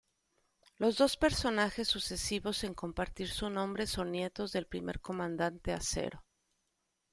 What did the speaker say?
Los dos personajes sucesivos en compartir su nombre son nietos del primer Comandante Acero.